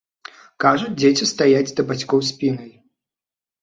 Кажуць, дзеці стаяць да бацькоў спінай.